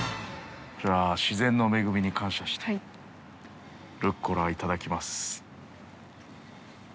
じゃあ、自然の恵みに感謝して、ルッコラいただきます。